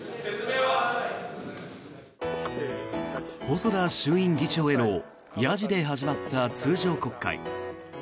細田衆議院議長へのやじで始まった通常国会。